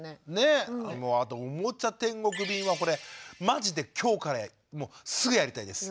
あと「おもちゃ天国便」はこれまじで今日からもうすぐやりたいです。